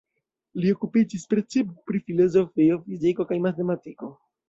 Li okupiĝis precipe pri filozofio, fiziko kaj matematiko.